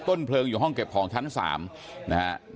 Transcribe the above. เพลิงอยู่ห้องเก็บของชั้น๓นะฮะ